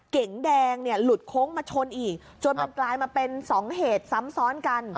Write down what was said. เก๋งแดงเนี่ยหลุดโค้งมาชนอีกจนมันกลายมาเป็น๒เหตุซ้ำซ้อนกัน